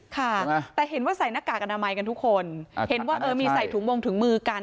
ค่ะแต่เห็นว่าใส่หน้ากากอนามัยกันทุกคนเห็นว่าเออมีใส่ถุงมงถุงมือกัน